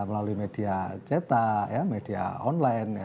melalui media cetak media online